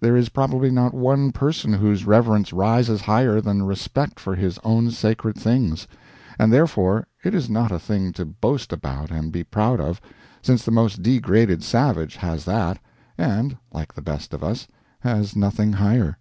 There is probably not one person whose reverence rises higher than respect for his own sacred things; and therefore, it is not a thing to boast about and be proud of, since the most degraded savage has that and, like the best of us, has nothing higher.